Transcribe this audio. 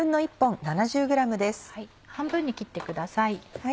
半分に切ってください。